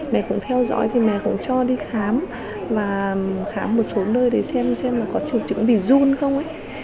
mẹ cũng theo dõi mẹ cũng cho đi khám và khám một số nơi để xem có triệu chứng bị run không